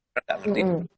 kan gak ngerti